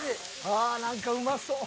ああ何かうまそう。